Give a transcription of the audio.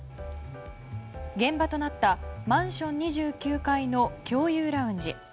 現場となったマンション２９階の共有ラウンジ。